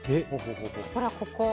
ほら、ここ。